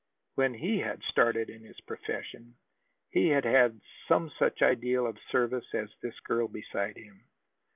When he had started out in his profession, he had had some such ideal of service as this girl beside him.